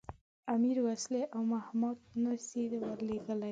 امیر وسلې او مهمات نه سي ورلېږلای.